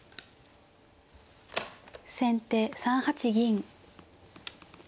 先手３八銀。